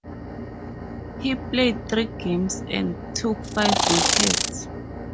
He played three games, and took five wickets.